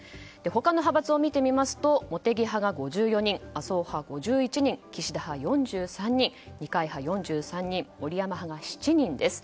他の派閥を見てますと茂木派が５４人麻生派は５１人、岸田は４３人二階派、４３人森山派が７人です。